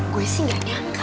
saya tidak menyangka